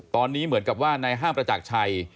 ตอนนี้เหมือนกับว่านายห้ามประจักรชัย